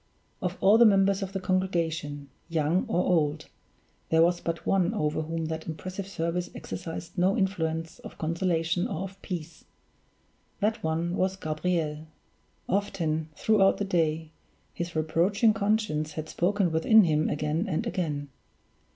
Of all the members of the congregation young or old there was but one over whom that impressive service exercised no influence of consolation or of peace; that one was Gabriel. Often, throughout the day, his reproaching conscience had spoken within him again and again.